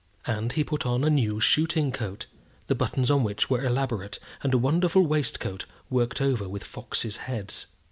And he put on a new shooting coat, the buttons on which were elaborate, and a wonderful waistcoat worked over with foxes' heads.